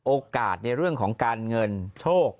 โอกาสในเรื่องของการเงินโชค